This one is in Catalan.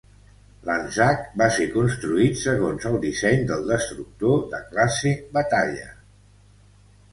L'Anzac va ser construït segons el disseny del destructor de classe Batalla.